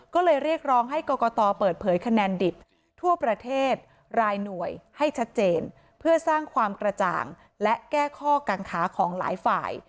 ก็เลยเรียกร้องให้กรกตเปิดเผยคะแนนดิบทั่วประเทศรายหน่วยให้ชัดเจนเพื่อสร้างความกระจ่างและแก้ข้อกังขาของหลายฝ่าย